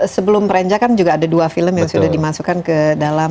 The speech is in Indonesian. sebelum renja kan juga ada dua film yang sudah dimasukkan ke dalam